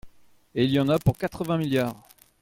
Et il y en a pour quatre-vingts milliards